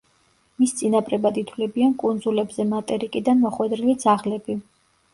მის წინაპრებად ითვლებიან კუნძულებზე მატერიკიდან მოხვედრილი ძაღლები.